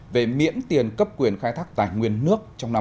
về miễn tiền cấp quyền khai thác tài nguyên nước trong năm hai nghìn hai mươi